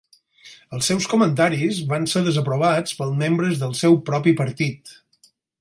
Els seus comentaris van ser desaprovats pels membres del seu propi partit.